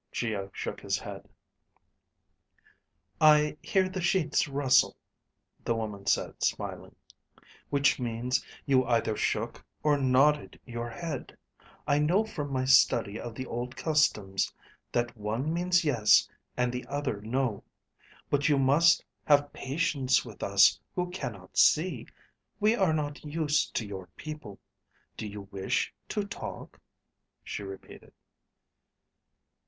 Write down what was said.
Geo shook his head. "I hear the sheets rustle," the woman said, smiling, "which means you either shook or nodded your head. I know from my study of the old customs that one means 'yes' and the other 'no.' But you must have patience with us who cannot see. We are not used to your people. Do you wish to talk?" she repeated.